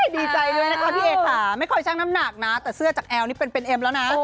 ดีใจด้วยนะคะพี่เอค่ะไม่ค่อยชั่งน้ำหนักนะแต่เสื้อจากแอลนี่เป็นเอ็มแล้วนะ